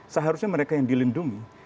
seharusnya mereka yang dilindungi